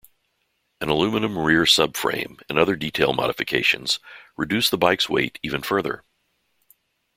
An aluminum rear subframe and other detail modifications reduced the bike's weight even further.